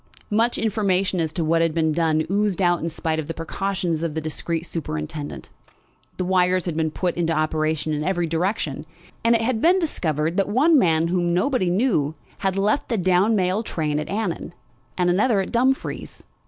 Much information as to what had been done oozed out in spite of the precautions of the discreet superintendent. The wires had been put into operation in every direction, and it had been discovered that one man whom nobody knew had left the down mail train at Annan, and another at Dumfries.